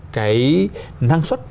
cái năng suất